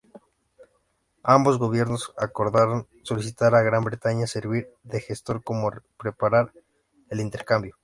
Ambos gobiernos acordaron solicitar a Gran Bretaña servir de gestor para preparar el intercambio.